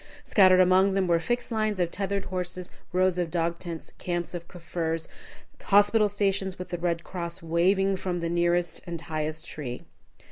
Scattered among them were fixed lines of tethered horses, rows of dog tents, camps of Kaffirs, hospital stations with the Red Cross waving from the nearest and highest tree.